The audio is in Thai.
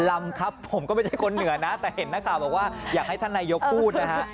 ลำครับผมก็ไม่ใช่คนเหนือนะแต่เห็นนักข่าวบอกว่าอยากให้ท่านนายกพูดนะฮะ